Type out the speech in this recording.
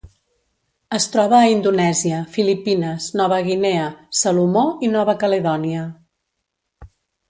Es troba a Indonèsia, Filipines, Nova Guinea, Salomó i Nova Caledònia.